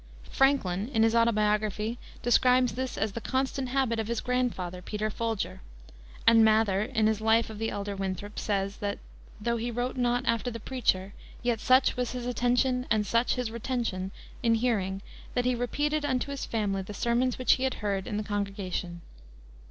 Franklin, in his Autobiography, describes this as the constant habit of his grandfather, Peter Folger; and Mather, in his life of the elder Winthrop, says that "tho' he wrote not after the preacher, yet such was his attention and such his retention in hearing, that he repeated unto his family the sermons which he had heard in the congregation."